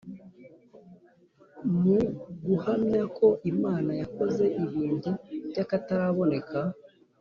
mu guhamya ko imana yakoze ibintu by’akataraboneka